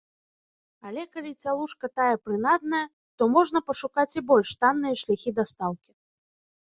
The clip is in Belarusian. Але калі цялушка тая прынадная, то можна пашукаць і больш танныя шляхі дастаўкі.